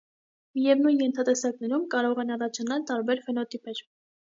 Միևնույն ենթատեսակներում կարող են առաջանալ տարբեր ֆենոտիպեր։